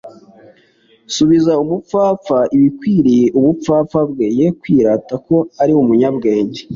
subiza umupfapfa ibikwiriye ubupfapfa bwe, ye kwirata ko ari umunyabwenge